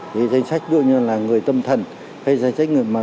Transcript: cái danh sách đôi như là người tâm thần hay danh sách người ma túy